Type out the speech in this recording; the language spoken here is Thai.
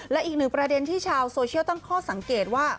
และอีกหนึ่งประเด็นที่ชาวโซเชียลตั้งข้อสังเกตว่า